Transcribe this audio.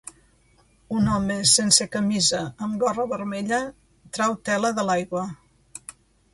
Un home sense camisa amb gorra vermella trau tela de l'aigua.